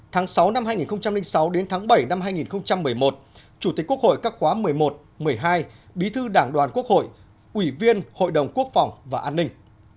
tháng sáu năm hai nghìn sáu đến tháng bảy năm hai nghìn một mươi một chủ tịch quốc hội các khóa một mươi một một mươi hai bí thư đảng đoàn quốc hội ủy viên hội đồng quốc phòng và an ninh